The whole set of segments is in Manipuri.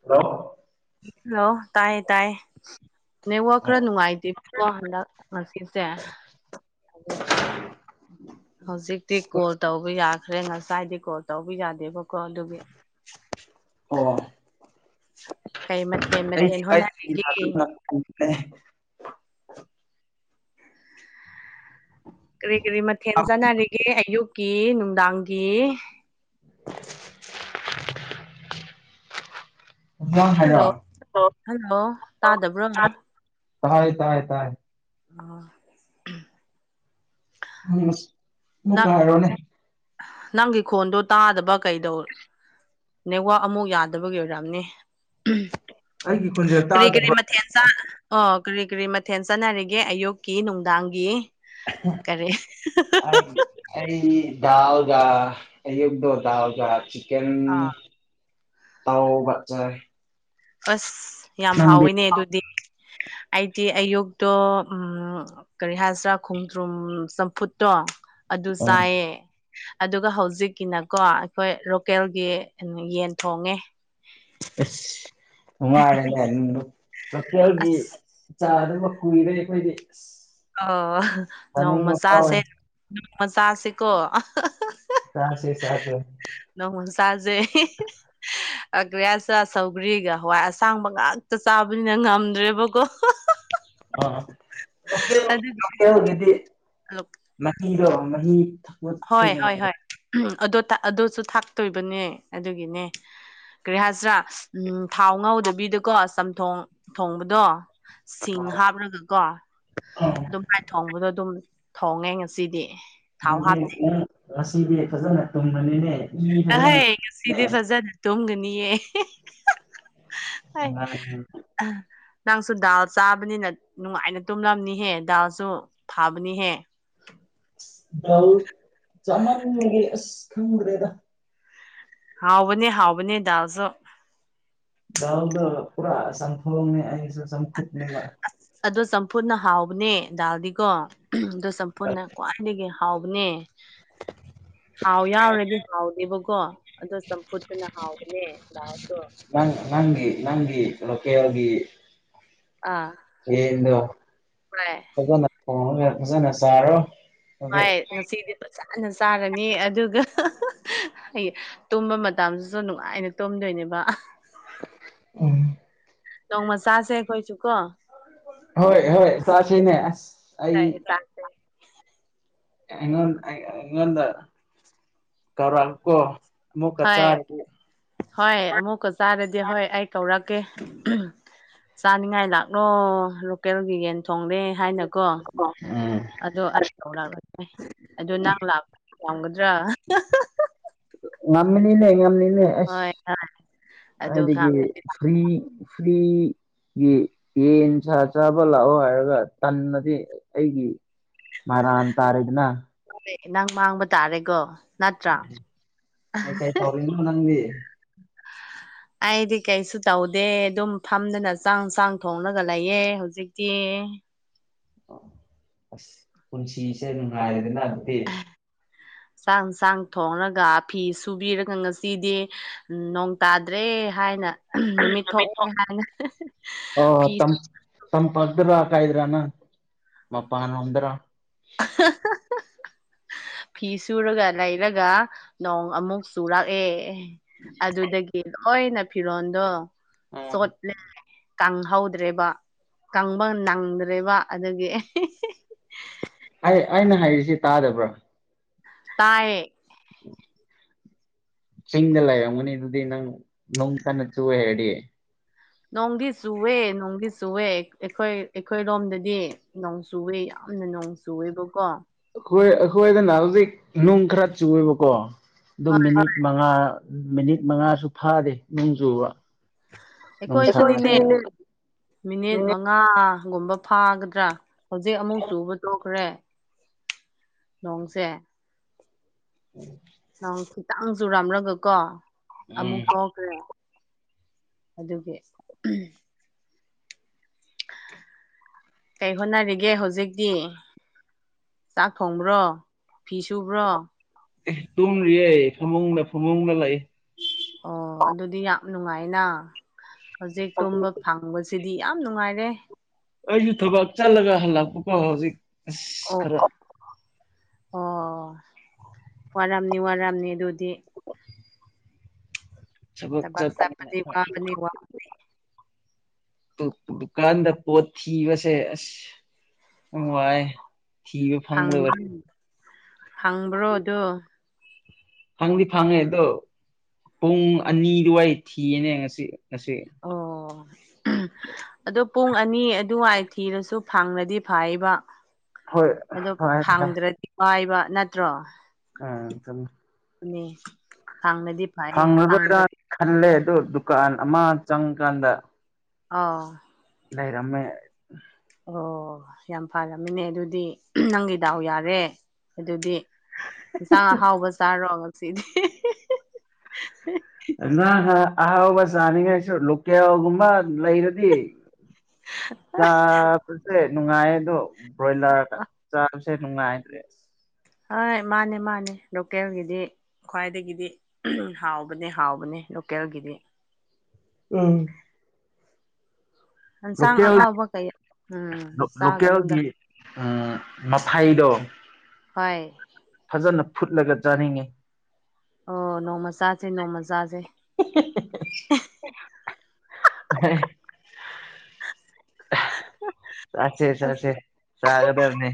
ꯍꯂꯣ ꯍꯂꯣ ꯇꯥꯏ ꯇꯥꯏ ꯅꯦꯠꯋꯥꯛ ꯈꯔ ꯅꯨꯡꯉꯥꯏ ꯇꯦꯀꯣ ꯍꯟꯗꯛ ꯉꯁꯤꯁꯦ꯫ ꯑꯗꯨ ꯍꯧꯖꯤꯛꯇꯤ ꯀꯣꯜ ꯇꯧꯕ ꯌꯥ꯫ ꯍꯔꯦꯟ ꯉꯁꯥꯏꯗꯤ ꯀꯣꯜ ꯇꯧꯕꯤ ꯌꯥꯗꯦꯕꯀꯣ ꯑꯗꯨꯒꯤ꯫ ꯑꯣ ꯀꯩ ꯃꯊꯦꯜ ꯃꯊꯦꯜ ꯍꯣꯠꯅꯔꯤꯒꯦ [unintelligible] ꯀꯔꯤ ꯀꯔꯤ ꯃꯊꯦꯜ ꯆꯥꯟꯅꯔꯤꯒꯦ ꯑꯌꯨꯛꯀꯤ ꯅꯨꯡꯗꯥꯡꯒꯤ꯫ [inaudible] ꯥꯑꯃ ꯍꯜꯂꯣ ꯍꯥꯏꯔꯛꯑꯣ ꯍꯜꯂꯣ ꯇꯥꯗꯕ꯭ꯔꯣ ꯅꯪ ꯇꯥꯏ ꯇꯥꯏ ꯇꯥꯏ꯫ ꯑ꯫ ꯍꯝ ꯃꯨꯛꯀ ꯍꯥꯏꯔꯛ ꯑꯣ ꯅꯦ꯫ ꯅꯪꯒꯤ ꯈꯣꯟꯗꯣ ꯇꯥꯗꯕ ꯀꯩꯗꯧ ꯅꯦꯠꯋꯥꯛ ꯑꯃꯨꯛ ꯌꯥꯗꯕꯒꯤ ꯑꯣꯏꯔꯑꯝꯅꯤ ꯑꯝꯍꯝ꯫ ꯑꯩꯒꯤ ꯈꯨꯟꯖꯦꯜ ꯇꯥꯗꯕ꯭ꯔꯣ꯫ ꯃꯊꯦꯜ ꯆꯥ ꯑꯣ ꯀꯔꯤ ꯀꯔꯤ ꯃꯊꯦꯜ ꯆꯠꯅꯔꯤꯒꯦ ꯑꯌꯨꯛꯀꯤ ꯅꯨꯡꯗꯥꯡꯒꯤ꯫ ꯀꯔꯦ ꯑꯍ-ꯍꯥ-ꯍꯥ꯫ ꯚꯥꯏ ꯑꯩ ꯗꯥꯎ ꯌꯥ ꯑꯩꯌꯨꯛꯇꯣ ꯗꯥꯎ ꯌꯥꯈꯤ꯫ ꯀꯦꯟ ꯑꯥ ꯇꯥꯎꯕꯥꯛ ꯆꯥꯏ꯫ ꯑꯁ ꯌꯥꯝ ꯅꯪꯗꯤ ꯍꯥꯎꯋꯤꯅꯦ ꯑꯗꯨꯗꯤ ꯑꯩꯗꯤ ꯑꯌꯨꯛꯇꯣ ꯎꯝ ꯀꯔꯤ ꯍꯥꯏꯁꯤ꯭ꯔꯥ ꯈꯣꯡꯗ꯭ꯔꯨꯝ ꯆꯝꯐꯨꯠꯇꯣ ꯑꯗꯨ ꯆꯥꯏꯌꯦ꯫ ꯑꯗꯨꯒ ꯍꯧꯖꯤꯛꯀꯤꯅꯀꯣ ꯑꯩꯈꯣꯏ ꯂꯣꯀꯦꯜꯒꯤ ꯌꯦꯟ ꯊꯣꯡꯉꯦ꯫ ꯏꯁ ꯅꯨꯡꯉꯥꯏꯔꯦꯅꯦ ꯅꯪ ꯂꯣꯀꯦꯜꯒꯤ꯫ ꯑꯁ ꯆꯥꯗꯕ ꯀꯨꯏꯔꯦ ꯑꯩꯈꯣꯏꯗꯤ ꯎꯁ꯫ ꯑꯣ ꯅꯣꯡꯃꯆꯥꯁꯦ [unintelligible] ꯅꯣꯡꯃꯆꯥꯁꯤꯀꯣ꯫ ꯆꯥꯁꯦ ꯆꯥꯁꯦ꯫ ꯅꯍꯣ ꯆꯥꯖꯦ--꯫ ꯑꯒ꯭ꯦꯌꯥꯆꯥ ꯁꯧꯒ꯭ꯔꯤꯒ ꯍꯋꯥꯏ ꯑꯁꯥꯡꯕ ꯉꯥꯛꯇ ꯆꯥꯕꯅꯤꯅ ꯉꯝꯗ꯭ꯔꯦꯕꯀꯣ꯫ ꯑ [unintelligible] ꯑꯗꯨꯒꯤ ꯂꯣꯀꯦꯜꯒꯤꯗꯤ ꯃꯍꯤꯗꯣ ꯃꯍꯤ ꯊꯛ ꯍꯣꯏ ꯍꯣꯏ ꯍꯣꯏ ꯎ ꯑꯗꯨ ꯑꯗꯨꯁꯨ ꯊꯥꯛꯇꯣꯏꯕꯅꯦ ꯑꯗꯨꯒꯤꯅꯦ ꯀꯔꯤ ꯍꯥꯏꯁꯔꯥ ꯎꯝ ꯊꯥꯎ ꯉꯧꯗꯕꯤꯗꯀꯣ ꯆꯝꯊꯣꯡ ꯊꯣꯡꯕꯗꯣ ꯁꯤꯡ ꯍꯥꯞꯔꯒꯀꯣ ꯑꯗꯨꯝ꯫ ꯂꯥꯏ ꯊꯣꯡꯕꯗꯣ ꯑꯗꯨꯝ ꯊꯣꯡꯉꯦ ꯉꯁꯤꯗꯤ꯫ ꯊꯥꯎ ꯅꯪꯗꯤ ꯍꯥꯞꯇꯦ ꯎ ꯉꯁꯤꯗꯤ ꯐꯖꯅ ꯇꯨꯝꯕꯅꯤꯅꯦ꯫ ꯏ ꯐꯖꯅ ꯑꯍꯩ ꯉ ꯁꯤꯗꯤ ꯐꯖꯅ ꯇꯝꯒꯅꯤꯌꯦ ꯑꯩ ꯅꯪꯁꯨ ꯗꯥꯜ ꯆꯥꯕꯅꯤꯅ ꯅꯨꯡꯉꯥꯏꯅ ꯇꯨꯝꯂꯝꯅꯤꯍꯦ ꯗꯥꯜꯁꯨ ꯊꯥꯕꯅꯤꯍꯦ ꯕ꯭ꯂ ꯆꯃꯥꯟꯒꯤ ꯑꯁ ꯈꯪꯗꯦꯗ ꯍꯥꯎꯕꯅꯦ ꯍꯥꯎꯕꯅꯦ ꯗꯥꯜꯁꯨ ꯗꯥꯜꯗꯨ ꯄꯨꯔꯥ ꯆꯝꯐꯨꯠꯅꯦꯕ ꯑꯁ ꯑꯗꯣ ꯆꯝꯐꯨꯅ ꯍꯥꯎꯕꯅꯦ ꯗꯥꯜꯗꯤꯀꯣ ꯑꯣ ꯆꯝꯐꯨꯅ ꯈ꯭ꯋꯥꯏꯗꯒꯤ ꯍꯥꯎꯕꯅꯦ [inaudible] ꯊꯥꯎ ꯌꯥꯎꯔꯗꯤ ꯍꯥꯎꯗꯦꯕꯀꯣ ꯑꯗꯣ ꯆꯝꯐꯨꯠꯇꯨꯅ ꯍꯥꯎꯕꯅꯦ ꯂꯥꯎꯗꯣ ꯅꯪ ꯅꯪꯒꯤ ꯅꯪꯒꯤ ꯂꯣꯀꯦꯜꯒꯤ꯫ ꯑꯥ ꯌꯦꯟ ꯗꯣ ꯍꯣꯏ ꯐꯖꯅ ꯊꯣꯡꯉ ꯐꯖꯅ ꯆꯥꯔꯣ ꯑꯗꯨꯗꯤ ꯃꯥꯏ ꯉꯁꯤꯗꯤ ꯐꯖꯅ ꯆꯥꯔꯅꯤ ꯑꯗꯨꯒ ꯇꯨꯝꯕ ꯃꯇꯝꯁꯤꯁꯨ ꯅꯨꯡꯉꯥꯏꯅ ꯇꯨꯝꯗꯣꯏꯅꯦꯕ꯫ ꯑꯪ ꯇꯣꯡꯪ ꯃ ꯆꯥꯁꯦꯈꯣꯏ ꯆꯨ ꯀꯣ ꯍꯣꯏ ꯍꯣꯏ ꯆꯥꯁꯦꯅꯦ ꯑ ꯍꯣꯏ ꯑꯩ ꯆꯥꯁꯦ ꯑꯩꯉꯣꯟ ꯑꯩꯉꯣꯟꯗ ꯀꯧꯔꯥꯛ ꯀꯣ ꯑꯃꯨꯛꯀ ꯍꯣꯏ ꯆꯥꯔ ꯍꯣꯏ ꯑꯃꯨꯛꯀ ꯆꯥꯔꯗꯤ ꯍꯣꯏ ꯑꯩ ꯀꯧꯔꯛꯀꯦ ꯆꯥꯅꯤꯡꯉꯥꯏ ꯂꯥꯛꯂꯣ ꯂꯣꯀꯦꯜꯒꯤ ꯌꯦꯟ ꯊꯣꯡꯡꯂꯦ ꯍꯥꯏꯅ ꯀꯣ ꯎꯝ ꯑꯗꯣ ꯂꯥꯛꯂ ꯑꯗꯨ ꯅꯪ ꯂꯥꯛꯄ ꯌꯥꯝꯒꯗ꯭ꯔꯥ ꯉꯝꯅꯤꯅꯦ ꯉꯅꯤꯅꯦ ꯑꯁ ꯍꯣꯏ ꯍꯣꯏ ꯑꯗꯨꯒ ꯑꯗꯒꯤ ꯐꯔꯤ ꯐꯔꯤ ꯒꯤ ꯌꯦꯟꯁ ꯆꯥꯕ ꯂꯥꯛꯑꯣ ꯍꯥꯏꯔꯒ ꯇꯟꯗꯤ ꯑꯩꯒꯤ ꯃꯥꯔ ꯑ ꯇꯔꯦꯗꯅ ꯅꯪ ꯃꯥꯡꯕ ꯇꯥꯔꯦꯀꯣ ꯅꯠꯇ꯭ꯔꯥ ꯀꯩ ꯀꯩ ꯇꯧꯔꯤꯅꯣ ꯅꯪꯗꯤ ꯑꯩꯗꯤ ꯀꯩꯁꯨ ꯇꯧꯗꯦ ꯑꯗꯨꯝ ꯐꯝꯗꯅ ꯆꯥꯡ ꯆꯥꯡ ꯊꯣꯡꯡꯂꯒ ꯂꯩꯌꯦꯦ ꯍꯧꯖꯤꯛꯇꯤ ꯑꯣ ꯑꯁ ꯄꯨꯟꯁꯤꯁꯦ ꯅꯨꯡꯉꯥꯏꯔꯦꯗꯅ ꯑꯗꯨꯗꯤ ꯆꯥꯛ ꯆꯥꯡ ꯊꯣꯡꯉꯒ ꯐꯤ ꯁꯨꯕꯤꯔꯒ ꯉꯁꯤꯗꯤ ꯅꯣꯡ ꯇꯥꯗ꯭ꯔꯦ ꯍꯥꯏꯅ ꯅꯨꯃꯤꯠ ꯊꯣꯛꯑꯦ ꯍꯥꯏꯅ ꯐꯤ ꯁꯝ ꯄꯛꯗ꯭ꯔ ꯍꯥꯀꯗ꯭ꯔꯅ ꯃꯄꯅꯗ꯭ꯔ [inaudible] ꯐꯤ ꯁꯨꯔꯒ ꯂꯩꯔꯒ ꯅꯣꯡ ꯑꯃꯨꯛ ꯆꯨꯔꯛꯑꯦ ꯑꯗꯨꯗꯒꯤ ꯂꯣꯏꯅ ꯐꯤꯔꯣꯟꯜꯗꯣ ꯑꯥ ꯆꯣꯠꯂꯦ ꯀꯪꯍꯧꯗ꯭ꯔꯦꯕ ꯀꯪꯕ ꯅꯪꯗ꯭ꯔꯦꯕ ꯑꯗꯒꯤ ꯑꯩꯅ ꯍꯥꯏꯔꯤꯁꯤ ꯇꯥꯗꯕ꯭ꯔꯥ ꯇꯥꯏꯌꯦ [inaudible] ꯆꯤꯡꯗ ꯂꯩ ꯌ ꯃꯅꯤ ꯑꯗꯨꯗꯨꯗꯤ ꯅꯪ ꯅꯣꯡ ꯀꯅ ꯆꯨ ꯍꯦ ꯅꯣꯡꯗꯤ ꯆꯨꯋꯦ ꯅꯣꯡꯗꯤ ꯆꯨꯋꯦ ꯑꯩꯈꯣꯏ ꯑꯩꯈꯣꯏꯔꯣꯝꯗꯗꯤ ꯅꯣꯡ ꯆꯨꯏꯦ ꯌꯥꯝꯅ ꯅꯣꯡ ꯆꯨ ꯆꯣꯏꯕ ꯀꯣ ꯑꯩꯈꯣꯏ ꯑꯩꯈꯣꯏꯗꯅ ꯍꯧꯖꯤꯛ ꯅꯨꯡ ꯈꯔ ꯆꯨꯑꯦꯕꯀꯣ ꯑꯗꯨꯝ ꯍꯣꯏ ꯃꯤꯅꯤꯠ ꯃꯉꯥ ꯃꯤꯅꯤꯠ ꯃꯉꯥꯁꯨ ꯐꯥꯗꯦ ꯅꯣꯡ ꯆꯨꯕ ꯁꯨ ꯑꯩꯈꯣꯏꯁꯨꯅꯤꯅꯦ ꯉꯥꯒꯨꯝꯕ ꯐꯥꯒꯗ꯭ꯔꯥ ꯍꯧꯖꯤꯛ ꯑꯃꯨꯛ ꯆꯨꯕ ꯇꯣꯛꯈ꯭ꯔꯦ ꯅꯣꯡꯁꯦ ꯎꯝ ꯅꯪ ꯈꯤꯇꯪꯁꯨ ꯔꯥꯝꯂꯒꯀꯣ ꯎꯝ ꯑꯃꯨꯛꯇꯣ [unintelligible] ꯑꯗꯨꯒꯤ [unintelligible] ꯀꯩ ꯍꯣꯠꯅꯔꯤꯒꯦ ꯍꯧꯖꯤꯛꯇꯤ ꯆꯥꯛ ꯊꯣꯡꯕ꯭ꯔꯣ ꯐꯤ ꯁꯨꯕ꯭ꯔꯣ ꯑꯦ ꯇꯨꯝꯔꯤꯌꯦ ꯐꯃꯨꯡꯗ ꯐꯃꯨꯡꯗ ꯂꯩ ꯑꯣ ꯑꯗꯨꯗꯤ ꯌꯥꯝ ꯅꯨꯡꯉꯥꯏꯅ ꯍꯧꯖꯤꯛ ꯇꯨꯝꯕ ꯐ ꯍꯪꯕꯁꯤꯗꯤ ꯌꯥꯝ ꯅꯨꯡꯉꯥꯏꯔꯦ ꯑꯩꯁꯨ ꯊꯕꯛ ꯆꯠꯂꯒ ꯍꯜꯂꯛꯄꯀꯣ ꯍꯧꯖꯤꯛ ꯑꯁ ꯑꯣ ꯈꯔ ꯑꯣ ꯋꯥꯔꯥꯝꯅꯤ ꯋꯥꯔꯥꯝꯅꯤ ꯑꯗꯨꯗꯤ ꯁꯛ ꯊꯕꯛ ꯆꯅꯤ ꯆꯠꯄꯗꯤ ꯋꯥꯕꯅꯤ ꯋꯥꯕꯅꯤ ꯗꯨꯀꯥꯟꯗ ꯄꯣꯠ ꯊꯕꯁꯦ ꯑꯁ ꯑꯣ ꯋꯥꯥꯏ ꯊꯤꯕ ꯐꯪꯗꯕ ꯐꯪꯕ꯭ꯔꯣꯗꯣ ꯐꯪꯗꯤ ꯐꯪꯉꯦ ꯑꯗꯣ ꯄꯨꯡ ꯑꯅꯤꯗꯨꯋꯥꯏ ꯊꯤꯌꯦꯅꯦ ꯉꯁꯤ ꯉꯁꯤ ꯑꯣ ꯑꯗꯣ ꯄꯨꯡ ꯑꯅꯤ ꯑꯗꯨꯋꯥꯏ ꯊꯤꯔꯁꯨ ꯐꯪꯂꯗꯤ ꯐꯥꯏꯕ ꯍꯣꯏ ꯑꯗꯣ ꯍꯣꯏ ꯍꯣꯏ ꯐꯪꯗ꯭ꯔꯗꯤ ꯋꯥꯏꯕ ꯅꯠꯇ꯭ꯔꯣ ꯑ ꯆꯝ ꯅꯦ ꯍꯥꯡꯔꯗꯤ ꯐꯔꯦ ꯐꯪꯂꯔꯣꯏꯔꯥ ꯍꯥꯡꯗ꯭ꯔ ꯈꯜꯂꯦ ꯑꯗꯨ ꯗꯨꯀꯥꯟ ꯑꯃ ꯆꯪꯀꯥꯟꯗ ꯑꯣ ꯂꯩꯔꯝꯃꯦ ꯑꯣ ꯌꯥꯝ ꯐꯔꯃꯤꯅꯦ ꯑꯗꯨꯗꯤ ꯅꯪꯒꯤ ꯗꯥꯎ ꯌꯥꯔꯦ ꯑꯗꯨꯗꯤ ꯌꯦꯟꯁꯥꯡ ꯑꯍꯥꯎꯕ ꯆꯥꯔꯣ ꯉꯁꯤꯗꯤ [unintelligible] ꯑꯍꯥꯎꯕ ꯆꯅꯤꯡꯉꯥꯏꯁꯨ ꯂꯣꯀꯦꯜꯒꯨꯝꯕ ꯂꯩꯔꯗꯤ ꯑ [unintelligible] ꯍꯣꯏ ꯅꯨꯡꯉꯥꯏꯌꯦ ꯑꯗꯣ ꯕ꯭ꯔꯣꯏꯂꯔ ꯆꯥꯕꯁꯦ ꯅꯨꯡꯉꯥꯏꯇ꯭ꯔꯦ ꯍꯣꯏ ꯃꯥꯅꯦ ꯃꯥꯅꯦ ꯂꯣꯀꯦꯜꯒꯤꯗꯤ ꯈ꯭ꯋꯥꯏꯗꯒꯤꯗꯤ ꯍꯥꯎꯕꯅꯦ ꯍꯥꯎꯕꯅꯦ ꯂꯣꯀꯦꯜꯒꯤꯗꯤ ꯎꯝ ꯍꯟꯁꯥꯡ ꯂꯣꯀꯦꯜ ꯑꯍꯥꯎꯕ ꯀꯌꯥ ꯎꯝ ꯆꯥꯒꯅꯨꯗ ꯃꯊꯥꯏꯗꯣ ꯍꯣꯏ ꯐꯖꯅ ꯐꯨꯠꯂꯒ ꯆꯥꯅꯤꯡꯉꯤ ꯑꯣ ꯅꯣꯡꯃ ꯆꯥꯁꯦ ꯅꯣꯡꯃ ꯆꯥꯁꯦ [unintelligible] ꯆꯥꯁꯦ ꯆꯥꯁꯦ ꯑꯁ ꯆꯒꯗꯕꯅꯦ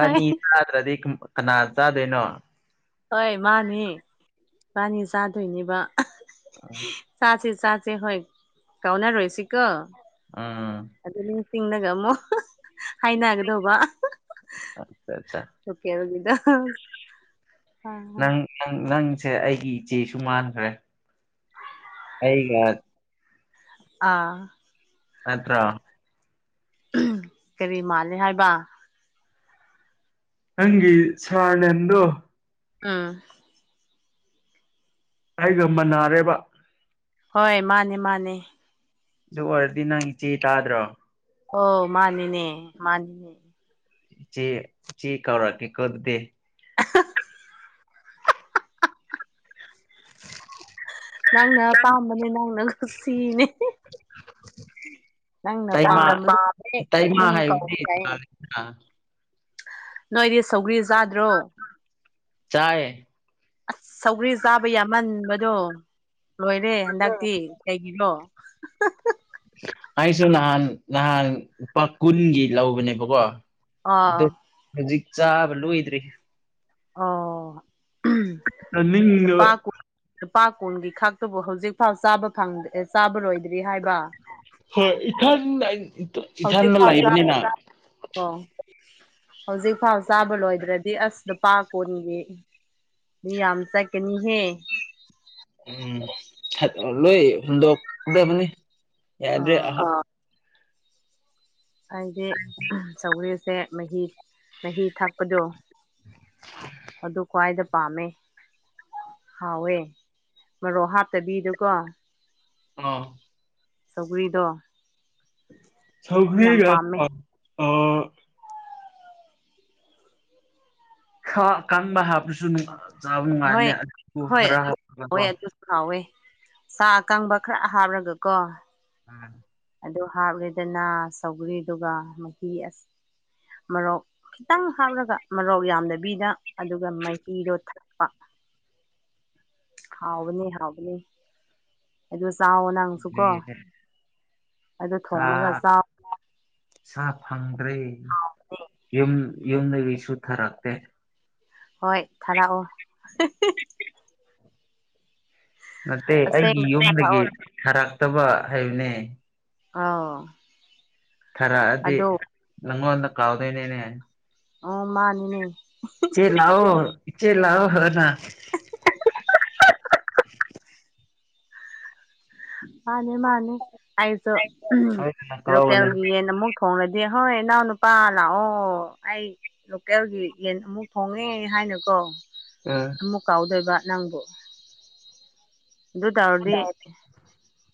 ꯍꯣꯏ ꯆꯥꯗ꯭ꯔꯗꯤ ꯀꯅꯥ ꯆꯥꯗꯣꯏꯅꯣ ꯍꯣꯏ ꯃꯥꯅꯤ ꯏꯕꯥꯅꯤ ꯆꯥꯗꯣꯏꯅꯦꯕ [unintelligible] ꯆꯥꯁꯦ ꯆꯥꯁꯦ ꯍꯣꯏ ꯀꯥꯎꯅꯔꯣꯏꯁꯤꯀꯣ ꯑꯥ ꯑꯗꯨ ꯅꯤꯡꯁꯤꯡꯅꯒ ꯑꯃꯨꯛ [unintelligible] ꯍꯥꯏꯅꯒꯗꯧꯕ ꯑꯠꯆꯥ ꯑꯠꯆꯥ [unintelligible] ꯑꯣꯀꯦ [unintelligible] ꯅꯪ ꯅꯪ ꯅꯪꯁꯦ ꯑꯩꯒꯤ ꯏꯆꯦꯁꯨ ꯃꯥꯟꯈ꯭ꯔꯦ ꯑꯩꯒ ꯑꯥ ꯑꯠꯇ꯭ꯔꯣ [unintelligible] ꯀꯔꯤ ꯃꯥꯜꯂꯦ ꯍꯥꯏꯕ ꯅꯪꯒꯤ ꯁꯥꯔꯅꯦꯟꯗꯨ ꯎꯝ ꯑꯩꯒ ꯃꯅꯥꯔꯦꯕ ꯍꯣꯏ ꯃꯥꯅꯦ ꯃꯥꯅꯦ ꯑꯗꯨ ꯑꯣꯏꯔꯗꯤ ꯅꯪ ꯏꯆꯦ ꯇꯥꯗ꯭ꯔꯣ ꯑꯣ ꯃꯥꯅꯤꯅꯦ ꯃꯥꯅꯤꯅꯦ ꯆꯦ ꯆꯦ ꯀꯧꯔꯛꯀꯦ ꯀꯣꯗꯗꯦ [inaudible] ꯅꯪꯅ ꯄꯥꯝꯕꯅꯦ ꯅꯪꯅꯁꯤꯅꯦ ꯇꯃ ꯄꯥꯝꯕꯗꯣ ꯍꯦꯛ ꯇꯥꯏꯃ ꯑꯗꯨꯝ ꯀꯧꯕ ꯌꯥꯏꯌꯦ ꯍꯥꯏꯕꯗꯤ ꯅꯣꯏꯗꯤ ꯁꯧꯒ꯭ꯔꯤ ꯆꯥꯗ꯭ꯔꯣ ꯆꯥꯏ ꯑꯁ ꯁꯧꯒ꯭ꯔꯤ ꯆꯥꯕ ꯌꯥꯃꯟꯕꯗꯣ ꯂꯣꯏꯔꯦ ꯍꯟꯗꯛꯇꯤ ꯀꯩꯒꯤꯔꯣ ꯑꯩꯁꯨ ꯅꯍꯥꯟ ꯅꯍꯥꯟ ꯂꯨꯄꯥ ꯀꯨꯟꯒꯤ ꯂꯧꯕꯅꯦꯕꯀꯣ ꯑꯗꯨ ꯑꯣ ꯍꯧꯖꯤꯛ ꯆꯥꯕ ꯂꯣꯏꯗ꯭ꯔꯤ ꯑꯣ [unintelligible] ꯆꯥꯅꯤꯡꯗꯕ ꯂꯨꯄꯥ ꯀꯨꯟ ꯂꯨꯄꯥ ꯀꯨꯟꯒꯤ ꯈꯛꯇꯕꯨ ꯍꯧꯖꯤꯛ ꯐꯥꯎ ꯆꯥꯕ ꯐꯪ ꯑꯦ ꯆꯥꯕ ꯂꯣꯏꯗ꯭ꯔꯤ ꯍꯥꯏꯕ ꯍꯦ ꯏꯊꯟꯗ ꯑꯩꯅ [unintelligible] ꯍꯧꯖꯤꯛ ꯐꯥꯎ ꯆ [unintelligible] ꯍꯧꯖꯤꯛꯐꯥꯎ ꯆꯥꯕ ꯂꯣꯏꯗ꯭ꯔꯗꯤ ꯑꯁ ꯂꯨꯄꯥ ꯀꯨꯟꯒꯤ ꯃꯤ ꯌꯥꯝ ꯆꯠꯀꯅꯤꯍꯦ ꯎꯝ ꯂꯣꯏ ꯍꯨꯟꯗꯣꯛꯇꯕꯅꯤ ꯌꯥꯗ꯭ꯔꯦ ꯑꯥ ꯍꯥꯏꯗꯤ ꯆꯧꯒꯔꯤꯁꯦ ꯃꯍꯤ ꯃꯍꯤ ꯊꯥꯛꯄꯗꯣ ꯑꯗꯨ ꯈ꯭ꯋꯥꯏꯗ ꯄꯥꯝꯃꯦ ꯍꯥꯎꯋꯦ ꯃꯔꯣꯛ ꯍꯥꯞꯠꯇꯕꯤꯗꯨꯀꯣ ꯑ ꯁꯒꯔꯤꯗ ꯁꯧꯒꯒ ꯄꯥꯝꯃꯦ ꯑ ꯀꯟꯕ ꯍꯥꯞꯄꯁꯨ ꯆꯥꯕ ꯍꯣꯏ ꯅꯨꯡꯉꯥꯏꯔꯅꯦ ꯑꯗꯨꯕꯨ ꯍꯣꯏ ꯈꯔ ꯑꯗꯨꯁꯨ ꯍꯥꯞꯣ ꯍꯥꯎꯋꯦ ꯑꯗꯨꯁꯨ ꯍꯥꯎꯋꯦ ꯆ ꯑꯀꯪꯕ ꯈꯔ ꯍꯥꯞꯔꯒ ꯀꯣ ꯎꯝ ꯑꯗꯨ ꯍꯥꯞꯂꯦꯗꯅ ꯁꯧꯒ꯭ꯔꯤꯗꯨꯒ ꯃꯍꯤ ꯃꯣꯔꯣꯛ ꯈꯤꯇꯪ ꯍꯥꯞꯂꯒ ꯃꯣꯔꯣꯛ ꯌꯥꯝꯗꯕꯤꯗ ꯑꯗꯨꯒ ꯃꯥꯏꯊꯤꯗꯣ ꯍꯥꯎꯕꯅꯤ ꯍꯥꯎꯕꯅꯤ ꯑꯗꯨꯣ ꯆꯥꯎꯋ ꯅꯪꯁꯨꯀꯣ ꯑꯩꯗꯣ ꯁꯥ ꯊꯣꯡꯉꯒ ꯆꯥꯎ ꯁꯥ ꯐꯪꯗ꯭ꯔꯦ ꯌꯨꯝ ꯌꯨꯝꯗꯒꯤ ꯁꯨꯊꯔꯛꯇꯦ ꯍꯣꯏ ꯊꯥꯔꯛꯑꯣ ꯅꯠꯇꯦ ꯑꯁꯦꯡ ꯑꯩꯒꯤ ꯊꯥꯔꯛꯑꯣ ꯌꯨꯝꯗꯒꯤ ꯊꯔꯛꯇꯕ ꯍꯥꯏꯕꯅꯦ ꯑꯥꯎ ꯈꯔꯛꯑꯗꯤ ꯅꯪꯉꯣꯟꯗ ꯀꯥꯎꯗꯣꯏꯅꯦꯅꯦ ꯑꯣ ꯃꯥꯅꯤꯅꯦ ꯆ ꯆꯩ ꯂꯑꯣ ꯏꯆ ꯆꯩ ꯂꯑꯣ ꯍꯅ ꯃꯥꯅꯦ ꯃꯥꯅꯦ ꯑꯩꯁꯨꯣ ꯁꯣꯏꯗꯅ ꯀꯧꯒꯅꯤ ꯂꯣꯀꯦꯜꯦꯜꯒꯤ ꯌꯦ ꯅꯨꯛ ꯊꯣꯡꯡꯂꯗꯤ ꯍꯣꯏ ꯏꯅꯥꯎ ꯅꯨꯄꯥ ꯂꯥꯛꯑꯣ ꯑꯩ ꯂꯣꯀꯦꯜꯒꯤ ꯌꯦꯟ ꯑꯃꯨꯛ ꯐꯣꯡꯉꯦ ꯍꯥꯏꯅꯀꯣ ꯑ ꯑꯃꯨꯛ ꯀꯥꯎꯗꯣꯏꯕ ꯅꯪꯕꯨ ꯑꯗꯨ ꯇꯧꯔꯗꯤ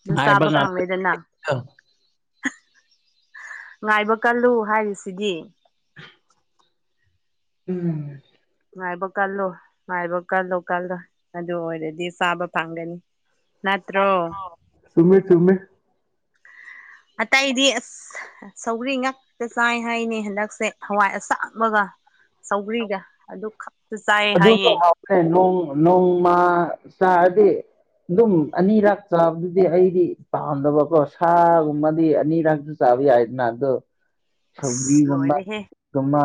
ꯑꯗꯨ ꯆꯥꯕ ꯐꯪꯂꯦꯗꯅ ꯍꯪ ꯉꯥꯏꯕ ꯀꯜꯂꯨ ꯍꯥꯏꯔꯤꯁꯤꯗꯤ ꯎꯝ ꯉꯥꯏꯕ ꯀꯜꯂꯣ ꯉꯥꯏꯕ ꯀꯜꯂꯣ ꯀꯜꯂꯣ ꯑꯗꯨ ꯑꯣꯏꯔꯗꯤ ꯆꯥꯕ ꯐꯪꯒꯅꯤ ꯁꯃꯤꯃꯦ ꯆꯨꯝꯃꯤꯃꯦꯃꯤ ꯑꯇꯩ ꯏꯗꯤ ꯑꯁ ꯁꯧꯒ꯭ꯔꯤ ꯉꯥꯛꯛꯇ ꯆꯥꯏ ꯍꯥꯏꯅꯦ ꯍꯟꯗꯛꯁꯦ ꯍꯋꯥꯏ ꯑꯁꯥꯃꯒ ꯁꯧꯒ꯭ꯔꯤꯒ ꯗꯣꯛ ꯑꯗꯨꯖꯤꯁꯨꯦ ꯂꯣꯡ ꯂꯣꯡ ꯃꯥ ꯁꯥꯗꯤ ꯑꯗꯨꯝ ꯑꯅꯤꯔꯥꯛ ꯆꯥꯕꯗꯨꯗꯤ ꯑꯩꯗꯤ ꯄꯥꯝꯗꯕꯀꯣ ꯁꯥꯒꯨꯝꯕꯗꯤ ꯑꯅꯤꯔꯛꯁꯨ ꯕꯤ ꯍꯥꯏꯥꯏꯗꯅ ꯑ ꯑꯗꯨ ꯑꯁ ꯂꯣꯏꯔꯦꯍꯦ ꯒꯨꯝꯕ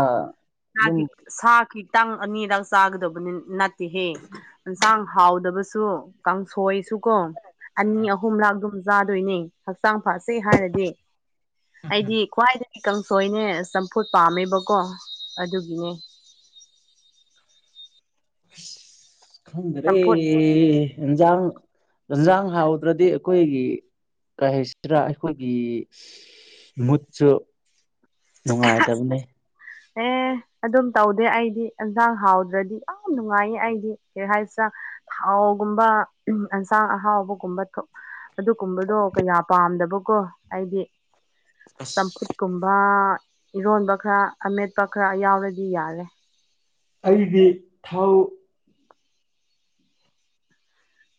ꯑꯗꯨꯝ ꯁꯥꯒꯤꯈꯤ ꯇꯥꯡ ꯑꯅꯤꯗ ꯆꯥꯒꯗꯕꯅꯤ ꯅꯠꯇꯦꯍꯦ ꯌꯦꯟꯁꯥꯡ ꯍꯥꯎꯗꯕꯁꯨ ꯀꯥꯡꯁꯣꯏꯁꯨꯀꯣ ꯑꯅꯤ ꯑꯍꯨꯝ ꯂꯥꯛ ꯑꯗꯨꯝ ꯆꯥꯗꯣꯏꯅꯦ ꯍꯛꯆꯥꯡ ꯐꯁꯦ ꯍꯥꯏꯔꯗꯤ ꯑꯩꯗꯤ ꯈ꯭ꯋꯥꯏꯗꯒꯤꯗꯒꯤ ꯀꯥꯡꯁꯣꯏꯅꯦ ꯆꯝꯐꯨꯠ ꯄꯥꯝꯃꯦꯕꯀꯣ ꯑꯗꯨꯒꯤꯅꯦ ꯈꯪꯗ ꯔꯦ ꯆꯝꯐꯨꯠ ꯏꯟꯖꯥꯡ ꯏꯟꯖꯥꯡ ꯍꯥꯎꯗ꯭ꯔꯗꯤ ꯑꯩꯈꯣꯏꯒꯤ ꯀꯩꯁꯤꯔꯥ ꯑꯩꯈꯣꯏꯒꯤ ꯃꯨꯠꯁꯨ ꯅꯨꯡꯉꯥꯏꯇꯕꯅꯦ ꯑꯦ ꯑꯗꯨꯝ ꯇꯧꯗꯦ ꯑꯩꯗꯤ ꯏꯟꯁꯥꯡ ꯍꯥꯎꯗ꯭ꯔꯗꯤ ꯌꯥꯝ ꯅꯨꯡꯉꯥꯏꯌꯦ ꯑꯩꯗꯤ ꯀꯩ ꯍꯥꯏꯁ ꯊꯥꯎꯒꯨꯝꯕ ꯑꯦꯟꯁꯥꯡ ꯑꯍꯥꯎꯕꯒꯨꯝꯕ ꯊꯣꯛ ꯑꯗꯨꯒꯨꯝꯕꯗꯣ ꯀꯌꯥ ꯄꯥꯝꯗꯕꯀꯣ ꯑꯩꯗꯤ ꯆꯝꯐꯨꯠ ꯑꯁ ꯀꯨꯝꯕ ꯏꯔꯣꯟꯕ ꯈꯔ ꯑꯃꯦꯠꯄ ꯈꯔ ꯌꯥꯎꯔꯗꯤ ꯌꯥꯔꯦ ꯑꯩꯗꯤ ꯊꯥꯎ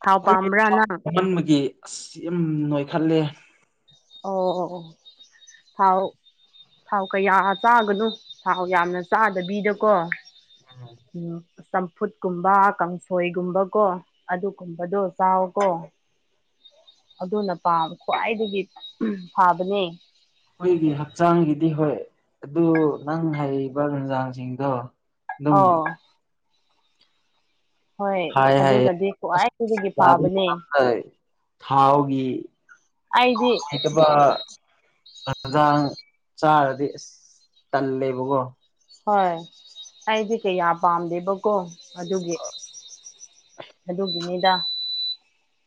ꯊꯥꯎ ꯄꯥꯝꯕ꯭ꯔꯥ ꯅꯪ ꯑꯩꯈꯣꯏꯃꯟꯕꯒꯤ ꯑꯁ ꯌꯥꯝ ꯅꯣꯏꯈꯠꯂꯦ ꯑꯣ ꯊꯥꯎ ꯊꯥꯎ ꯀꯌꯥ ꯆꯥꯒꯅꯣ ꯊꯥꯎ ꯌꯥꯝꯅ ꯆꯥꯗꯕꯤꯗꯀꯣ ꯎꯝ ꯆꯝꯐꯨꯠꯀꯨꯝꯕ ꯀꯥꯡꯁꯣꯏꯒꯨꯝꯕꯀꯣ ꯑꯗꯨꯒꯨꯝꯕꯗꯣ ꯆꯥꯎꯀꯣ ꯑꯗꯨꯅ ꯄꯥ ꯈ꯭ꯋꯥꯏꯗꯒꯤ ꯄꯥꯕꯅꯦ ꯑꯩꯈꯣꯏꯒꯤ ꯍꯛꯆꯥꯡꯒꯤꯗꯤ ꯍꯣꯏ ꯑꯗꯨ ꯅꯪ ꯍꯥꯏꯔꯤꯕ ꯟꯖꯥꯡꯁꯤꯡꯗꯣ ꯑꯣ ꯍꯣꯏ ꯍꯥꯏ ꯍꯥꯏꯌꯦ ꯑꯗꯨꯅꯗꯤ ꯈ꯭ꯋꯥꯏ ꯑꯁ ꯍꯗꯒꯤ ꯐꯥꯕꯅꯦ ꯆꯥꯕ ꯊꯥꯎꯒꯤ ꯑꯩꯗꯤ ꯍꯖꯥꯡ ꯆꯥꯔꯗꯤ ꯑꯁ ꯇꯜꯂꯦꯕꯀꯣ ꯍꯣꯏ ꯑꯩꯗꯤ ꯀꯌꯥ ꯄꯥꯝꯗꯦꯕꯀꯣ ꯑꯗꯨꯒꯤ ꯑꯗꯨꯒꯤꯅꯤꯗ